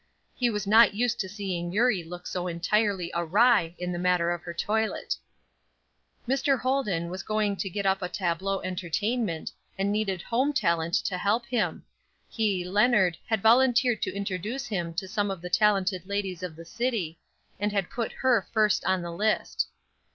He was not used to seeing Eurie look so entirely awry in the matter of her toilet. Mr. Holden was going to get up a tableau entertainment, and needed home talent to help him; he, Leonard, had volunteered to introduce him to some of the talented ladies of the city, and had put her first on the list.